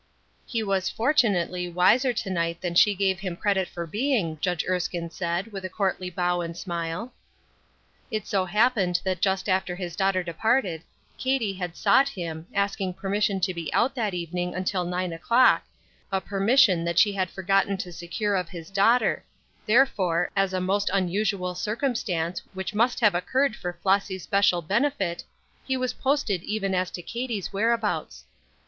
He was fortunately wiser to night than she gave him credit for being, Judge Erskine said, with a courtly bow and smile. It so happened that just after his daughter departed, Katie had sought him, asking permission to be out that evening until nine o'clock, a permission that she had forgotten to secure of his daughter; therefore, as a most unusual circumstance which must have occurred for Flossy's special benefit, he was posted even as to Katie's whereabouts.